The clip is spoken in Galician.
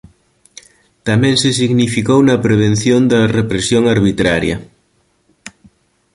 Tamén se significou na prevención da represión arbitraria.